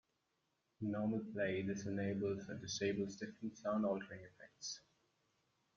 In normal play, this enables or disables different sound-altering effectors.